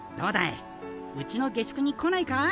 うちの下宿に来ないか？